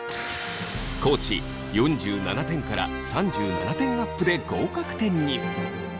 地４７点から３７点アップで合格点に！